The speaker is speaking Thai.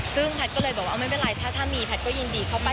ซึ่งแพทย์ก็เลยบอกว่าไม่เป็นไรถ้ามีแพทย์ก็ยินดีเข้ามา